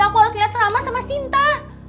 aku harus lihat sama sama sinta